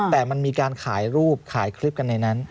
แต่มันมีการขายรูปขายคลิปกันในนั้น